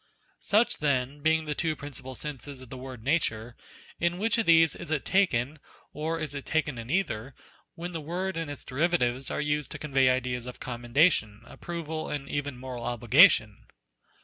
Such, then, being the two principal senses of the word Nature ; in which of these is it taken, or is it taken in either, when the word and its derivatives are used to convey ideas of commendation, approval, and even moral obligation